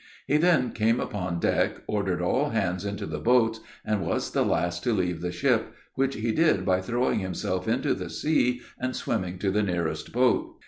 He then came upon deck, ordered all hands into the boats, and was the last to leave the ship, which he did by throwing himself into the sea, and swimming to the nearest boat!